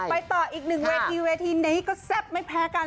ไปต่ออีกหนึ่งเวทีเวทีนี้ก็แซ่บไม่แพ้กัน